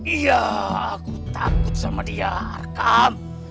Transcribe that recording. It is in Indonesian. iya aku takut sama dia arkam